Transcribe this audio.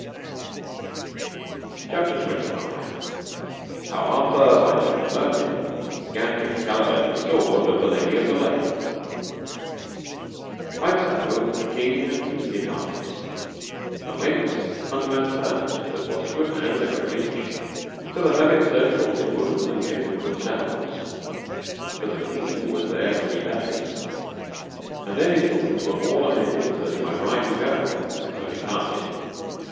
CHAPTER XXV. How Arthur by the mean of Merlin gat Excalibur his sword of the Lady of the Lake. Right so the king and he departed, and went unto an hermit that was a good man and a great leech. So the hermit searched all his wounds and gave him good salves; so the king was there three days, and then were his wounds well amended that he might ride and go, and so departed.